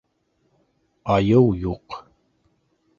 — Айыу юҡ.